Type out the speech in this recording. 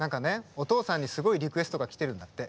お父さんにすごいリクエストが来てるんだって。